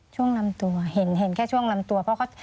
ลำตัวเห็นแค่ช่วงลำตัวเพราะเขา